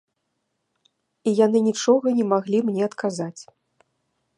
І яны нічога не маглі мне адказаць.